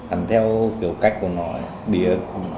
anh theo kiểu cách của nó biết